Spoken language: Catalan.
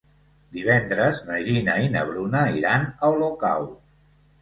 Divendres na Gina i na Bruna iran a Olocau.